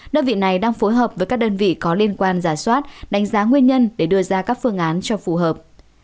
đơn vị này đang phối hợp với các đơn vị có liên quan giả soát đánh giá nguyên nhân để đưa ra các phương án cho phù hợp